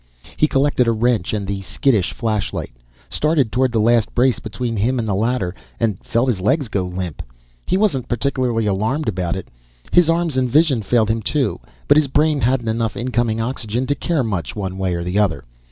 He collected a wrench and the skittish flashlight, started toward the last brace between him and the ladder, and felt his legs go limp. He wasn't particularly alarmed about it; his arms and vision failed him too, but his brain hadn't enough incoming oxygen to care much, one way or the other.